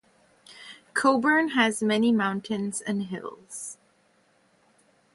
Coeburn has many mountains and hills.